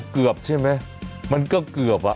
เกือบใช่ไหมมันก็เกือบอ่ะ